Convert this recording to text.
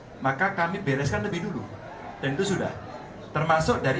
baik hatinya mbak basuki maka kami bereskan lebih dulu dan itu sudah termasuk dari